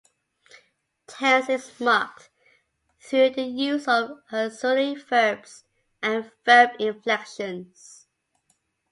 Tense is marked through the use of auxiliary verbs and verb inflections.